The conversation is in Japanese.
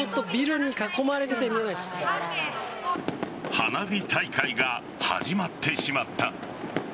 花火大会が始まってしまった。